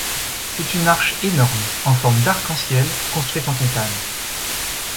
C'est une arche énorme, en forme d'arc-en-ciel, construite en titane.